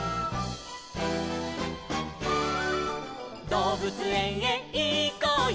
「どうぶつえんへいこうよ